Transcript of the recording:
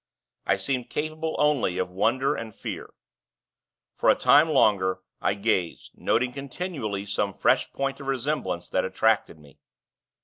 I seemed capable only of wonder and fear. For a time longer, I gazed, noting continually some fresh point of resemblance that attracted me.